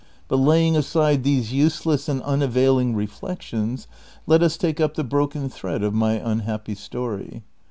Bnt laying aside these use less and unavailing reflections, let us take up the broken thread of my unhappy story.